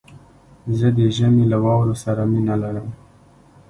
زه د ژمي له واورو سره مينه لرم